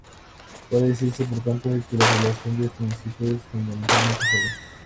Puede decirse por tanto, que la población de este municipio es fundamentalmente joven.